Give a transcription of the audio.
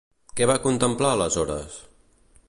Què va contemplar aleshores?